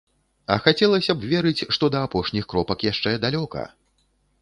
А хацелася б верыць, што да апошніх кропак яшчэ далёка.